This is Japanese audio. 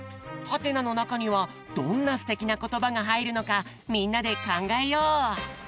「？」のなかにはどんなすてきなことばがはいるのかみんなでかんがえよう！